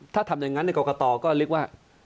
ถ้าทำอย่างนั้นในกรกตก็เรียกว่า